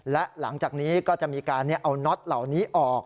และหลังจากนี้ก็จะมีการเอาน็อตเหล่านี้ออก